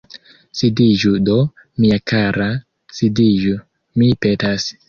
Sidiĝu do, mia kara, sidiĝu, mi petas!